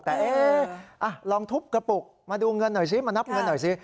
แต่ลองทุบกระปุกมาดูเงินหน่อยสิมานับเงินหน่อยสิ